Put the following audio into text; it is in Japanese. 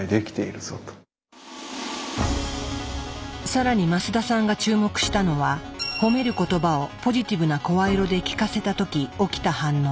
更に増田さんが注目したのは褒める言葉をポジティブな声色で聞かせた時起きた反応。